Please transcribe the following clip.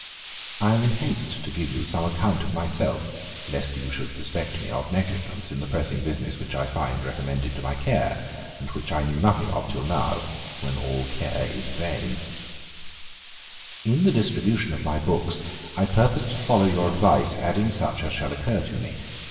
I am in haste to give you some account of myself, lest you should suspect me of negligence in the pressing business which I find recommended to my care, and which I knew nothing of till now, when all care is vain. 'In the distribution of my books I purpose to follow your advice, adding such as shall occur to me.